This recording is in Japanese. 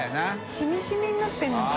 しみしみになってるのか。